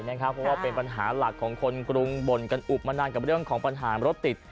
เพราะว่าเป็นปัญหาหลักของคนกรุงบ่นกันอุบมานานกับเรื่องของปัญหารถติด